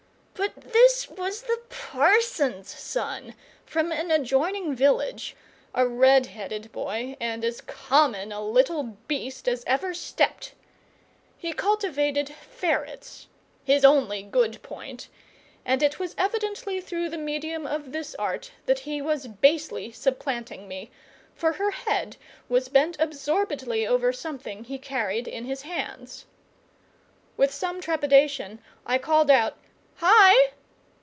But this was the parson's son from an adjoining village, a red headed boy and as common a little beast as ever stepped. He cultivated ferrets his only good point; and it was evidently through the medium of this art that he was basely supplanting me, for her head was bent absorbedly over something he carried in his hands. With some trepidation I called out, "Hi!"